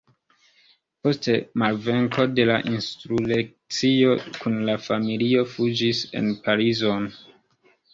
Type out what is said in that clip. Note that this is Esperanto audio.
Post malvenko de la insurekcio kun la familio fuĝis en Parizon.